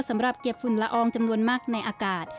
สำหรับเก็บฝุ่นละอองจำนวนมากในอากาศ